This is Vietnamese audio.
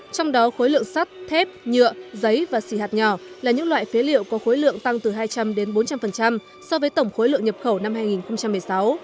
trong đó khối lượng sắt thép nhựa giấy và xỉ hạt nhỏ là những loại phế liệu có khối lượng tăng từ hai trăm linh đến bốn trăm linh so với tổng khối lượng nhập khẩu năm hai nghìn một mươi sáu